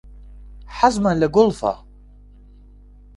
حەزمان لە گۆڵفە.